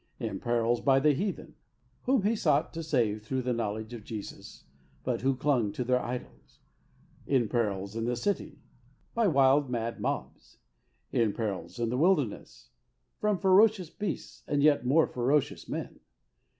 " In perils by the heathen "— whom he sought to save through the knowledge of Jesus, but who clung to their idols. " In perils in the city "— by wild, mad mobs. " In perils in the wilderness — from ferocious beasts and yet more ferocious men.